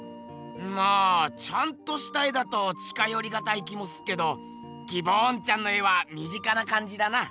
まあちゃんとした絵だと近よりがたい気もすっけどギボーンちゃんの絵は身近な感じだな。